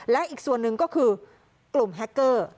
และอีกส่วนหนึ่งก็คือกลุ่มแฮคเกอร์